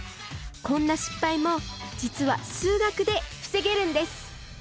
こんな失敗も実は数学で防げるんです